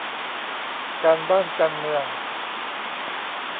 การบ้านการเมือง